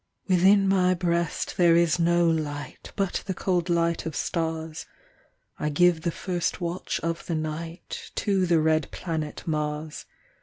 Within my breast there is no light, But the cold light of stars; I give the first watch of the night To the red planet Mars.